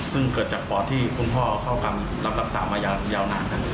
ซึ่งเกิดจากปอดที่คุณพ่อเข้ารับรักษามายาวนานครับ